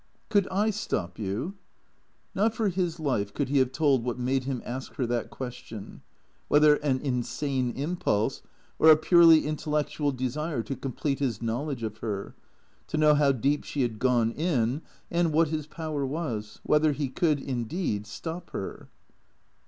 " Could I stop you ?" Not for his life could he have told what made him ask her that question, whether an insane impulse, or a purely intel lectual desire to complete his knowledge of her, to know how deep she had gone in and what his power was, whether he could, indeed, " stop " her.